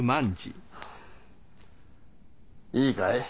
いいかい？